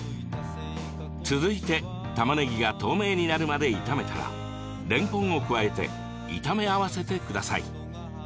続いて、たまねぎが透明になるまで炒めたられんこんを加えて炒め合わせてください。